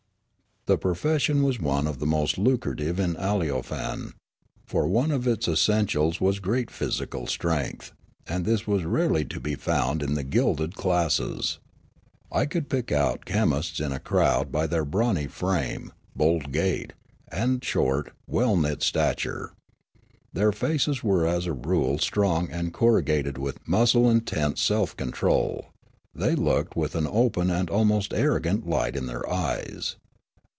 The profession was one of the most lucrative in Aleo fane, for one of its essentials was great physical strength, and this was rarely to be found in the gilded classes. I could pick out chemists in a crowd by their brawny frame, bold gait, and short, well knit stature. Their faces were as a rule strong and corrugated with muscle and tense self control ; they looked with an open and almost arrogant light in their ej'es.